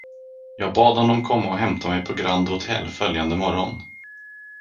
Jag bad honom komma och hämta mig på Grand Hôtel följande morgon.